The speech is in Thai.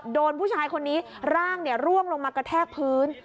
โดนผู้ชายคนนี้ร่างร่วงลงมากระแทกพื้น